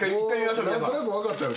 何となく分かったよ